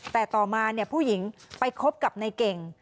แต่ต่อมาเนี่ยผู้หญิงไปคบกับในเก่ง